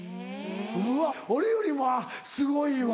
うわ俺よりもすごいわ。